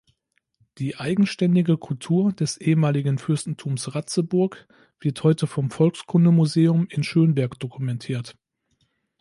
Die eigenständige Kultur des ehemaligen Fürstentums Ratzeburg wird heute vom Volkskundemuseum in Schönberg dokumentiert.